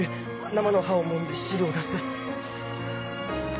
「生の葉をもんで汁を出す」